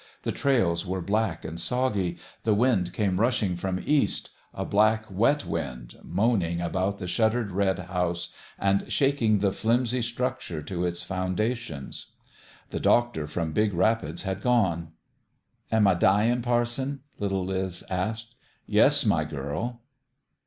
The trails were black and soggy. The wind came rushing from east a black, wet wind, moaning about the shuttered red house and shaking the flimsy structure to its foundations. The doctor from Big Rapids had gone. "Am I dyin', parson?" little Liz asked. " Yes, my girl.''